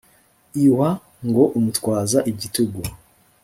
lw ngo umutwaze igitugu